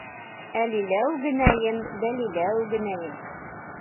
Әлиләү генәйем, бәлиләү генәйем.